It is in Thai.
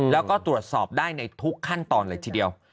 แล้วก็ตรวจสอบได้ในทุกขั้นตอนเลยทีเดียว